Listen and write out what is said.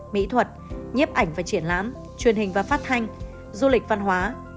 mỹ thuật nhiếp ảnh và triển lãm truyền hình và phát thanh du lịch văn hóa